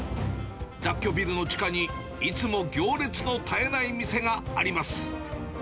雑居ビルの地下に、いつも行列の絶えない店があります。